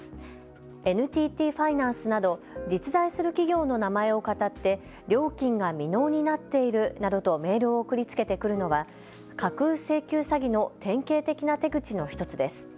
ＮＴＴファイナンスなど実在する企業の名前をかたって料金が未納になっているなどとメールを送りつけてくるのは架空請求詐欺の典型的な手口の１つです。